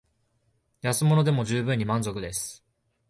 安物でも充分に満足です